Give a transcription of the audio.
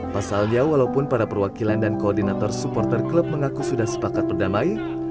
pasalnya walaupun para perwakilan dan koordinator supporter klub mengaku sudah sepakat berdamai